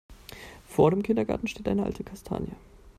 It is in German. Vor dem Kindergarten steht eine alte Kastanie.